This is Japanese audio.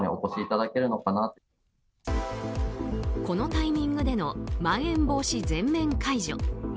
このタイミングでのまん延防止全面解除。